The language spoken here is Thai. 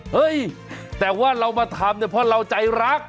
เฮ้ยแต่ว่าเรามาทำเนี่ยเพราะเราใจรัก